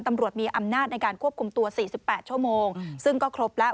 ตำรวจมีอำนาจในการควบคุมตัว๔๘ชั่วโมงซึ่งก็ครบแล้ว